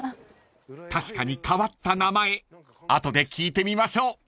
［確かに変わった名前後で聞いてみましょう］